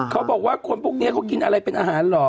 เขาบอกว่าคนพวกนี้เขากินอะไรเป็นอาหารเหรอ